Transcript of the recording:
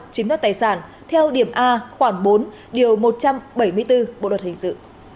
chiếm đoạt tài sản theo điểm a khoảng bốn điều một trăm bảy mươi bốn bộ luật hình sự